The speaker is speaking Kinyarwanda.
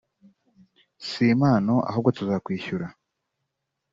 si impano ahubwo tuzakwishyura'